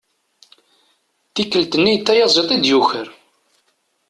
Tikkelt-nni d tayaẓiḍt i d-yuker.